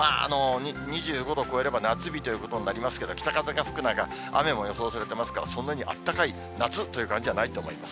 ２５度を超えれば夏日ということになりますけど、北風が吹く中、雨も予想されてますから、そんなにあったかい、夏という感じじゃないと思います。